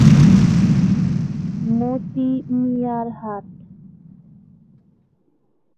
মতি মিয়ার হাট।